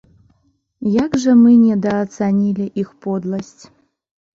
Як жа мы недаацанілі іх подласць!